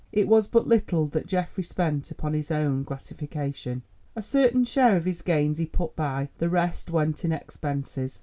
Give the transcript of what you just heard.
It was but little that Geoffrey spent upon his own gratification. A certain share of his gains he put by, the rest went in expenses.